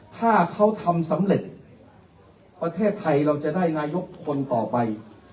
ถ้าเขาทำสำเร็จประเทศไทยเราจะได้นายกคนต่อไป